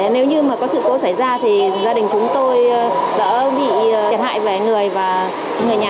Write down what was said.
nếu như có sự cố xảy ra gia đình chúng tôi sẽ bị thiệt hại về người và người nhà